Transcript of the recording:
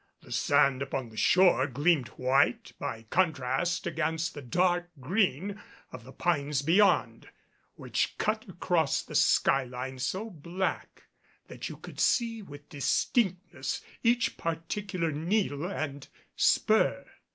The sand upon the shore gleamed white by contrast against the dark green of the pines beyond, which cut across the sky line so black that you could see with distinctness each particular needle and spur.